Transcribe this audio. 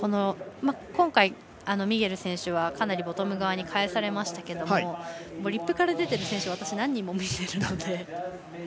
今回、ミゲル選手はかなりボトム側にかえされましたけどリップから出てる選手、私何人も見てるので。